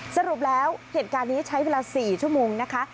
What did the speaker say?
สรุปแล้วเหตุการณ์นี้ใช้เวลา๔ชั่วโมงนะคะ